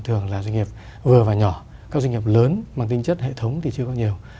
thường là doanh nghiệp vừa và nhỏ các doanh nghiệp lớn mang tinh chất hệ thống thì chưa có nhiều